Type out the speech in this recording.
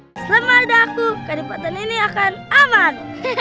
hai selamat datang ke tempat ini akan aman